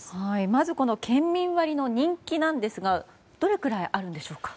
まず県民割の人気ですがどのくらいあるんでしょうか？